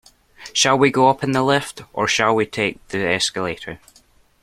Shall we go up in the lift, or shall we take the escalator?